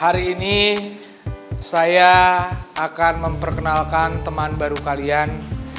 hari ini saya akan memperkenalkan teman baru kalian